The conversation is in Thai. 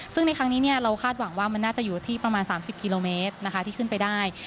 ซึ่งในครั้งนี้เราคาดหวังว่ามันน่าจะอยู่ที่ประมาณ๓๐กิโลเมตรที่ขึ้นไปได้